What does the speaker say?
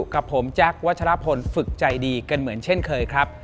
กับผมแจ๊ควัชลพลฝึกใจดีกันเหมือนเช่นเคยครับ